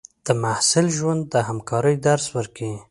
د محصل ژوند د همکارۍ درس ورکوي.